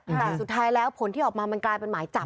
แต่สุดท้ายแล้วผลที่ออกมามันกลายเป็นหมายจับ